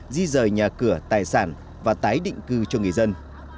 di rời nhà cửa tài sản và tái định cư cho người dân